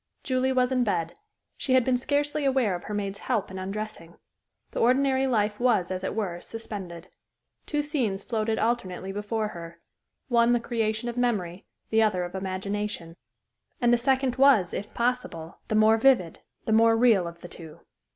Julie was in bed. She had been scarcely aware of her maid's help in undressing. The ordinary life was, as it were, suspended. Two scenes floated alternately before her one the creation of memory, the other of imagination; and the second was, if possible, the more vivid, the more real of the two.